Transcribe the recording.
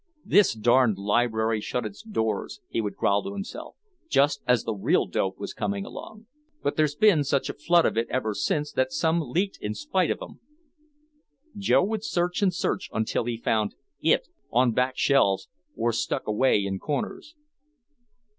"This darned library shut its doors," he would growl to himself, "just as the real dope was coming along. But there's been such a flood of it ever since that some leaked in in spite of 'em." Joe would search and search until he found "it" on back shelves or stuck away in corners.